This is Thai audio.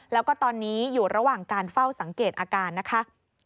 แล้วก็ตอนนี้อยู่ระหว่างการเฝ้าสังเกตอาการนะคะ